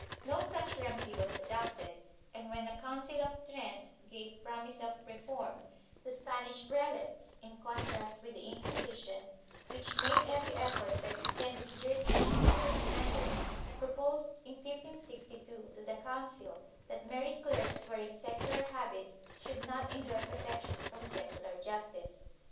1 No such remedy was adopted, and when the Council of Trent gave promise of reform, the Spanish prelates, in contrast with the Inquisition, which made every effort to extend its jurisdiction over offenders, proposed in 1562 to the council that married clerks wearing secular habits should not enjoy protection from secular justice.